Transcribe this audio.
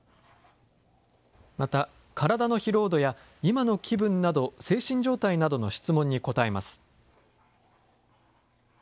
また、体の疲労度や、今の気分など、精神状態などの質問に答えます。